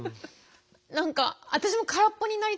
何か私も空っぽになりたいと思って。